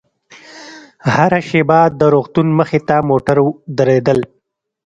هره شېبه د روغتون مخې ته موټر درېدل.